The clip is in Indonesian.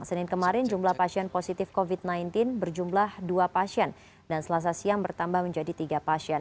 senin kemarin jumlah pasien positif covid sembilan belas berjumlah dua pasien dan selasa siang bertambah menjadi tiga pasien